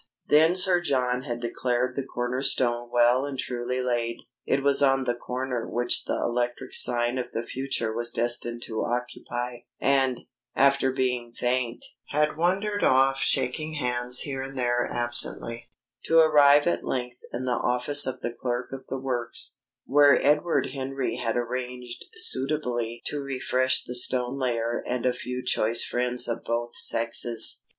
Then Sir John had declared the corner stone well and truly laid (it was on the corner which the electric sign of the future was destined to occupy), and, after being thanked, had wandered off shaking hands here and there absently, to arrive at length in the office of the clerk of the works, where Edward Henry had arranged suitably to refresh the stone layer and a few choice friends of both sexes.